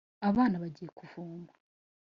abana bagiye kuvoma